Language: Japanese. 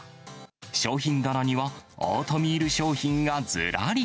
商品棚には、オートミール商品がずらり。